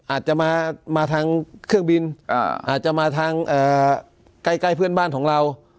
อาจจะมาทางเครื่องบินอาจจะมาทางใกล้เพื่อนบ้านของเรา